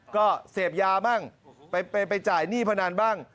ก็เสพยาบ้างไปจ่ายหนี้พนันบ้าง